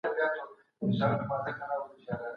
لکه د اوبو په څېر لاره پیدا کړئ.